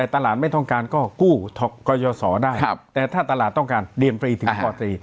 ตลาดไม่ต้องการก็กู้กรยศได้แต่ถ้าตลาดต้องการเรียนฟรีถึงปตรี